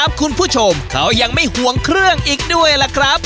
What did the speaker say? คุณผู้ชมเขายังไม่ห่วงเครื่องอีกด้วยล่ะครับ